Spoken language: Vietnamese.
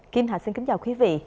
kim hạ xin kính chào quý vị